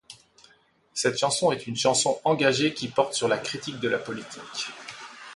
Cette chanson est une chanson engagée qui porte sur la critique de la politique.